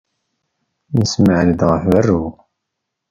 Nsemɛen-d ɣef berru.